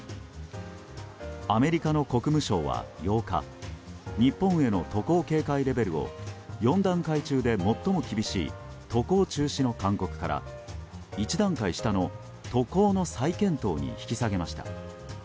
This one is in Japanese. アメリカの国務省は８日日本への渡航警戒レベルを４段階中で最も厳しい渡航中止の勧告から１段階下の渡航の再検討に引き下げました。